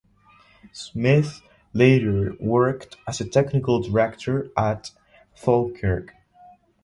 Smith later worked as technical director at Falkirk.